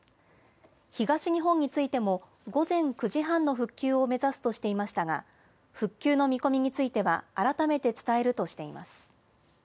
東日本についても、午前９時半の復旧を目指すとしていましたが、復旧の見込みについては、改めて伝えるとしています。